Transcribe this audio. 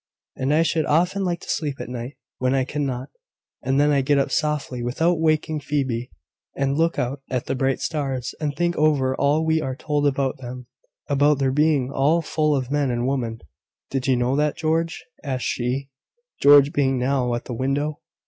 And I should often like to sleep at night when I cannot; and then I get up softly, without waking Phoebe, and look out at the bright stars, and think over all we are told about them about their being all full of men and women. Did you know that, George?" asked she George being now at the window.